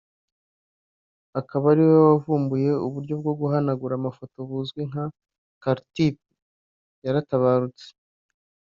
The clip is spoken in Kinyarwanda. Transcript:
akaba ariwe wavumbuye uburyo bwo guhanagura amafoto buzwi nka Calotype yaratabarutse